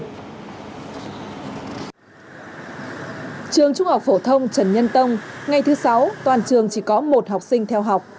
trường trung học phổ thông trần nhân tông ngày thứ sáu toàn trường chỉ có một học sinh theo học